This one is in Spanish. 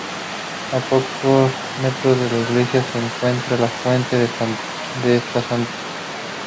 A pocos metros de la iglesia se encuentra la fuente de esta santa.